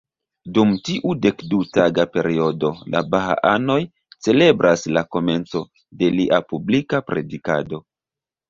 Dum tiu dekdu-taga periodo, la baha-anoj celebras la komenco de lia publika predikado.